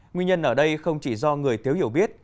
nguyên nhân ở đây không chỉ do người thiếu hiểu biết